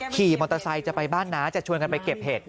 ขี่มอเตอร์ไซค์จะไปบ้านน้าจะชวนกันไปเก็บเห็ด